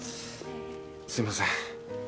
すいません。